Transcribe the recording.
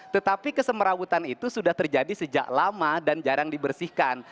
tetapi kesemerawutan itu sudah terjadi sejak lama dan jarang dibersihkan